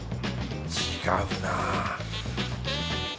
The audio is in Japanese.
違うな